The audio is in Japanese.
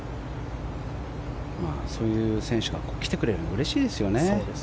そういう選手が来てくれるのはうれしいですよね。